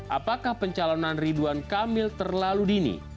apakah pencalonan ridwan kamil terlalu dini